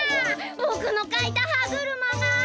ぼくのかいた歯車が。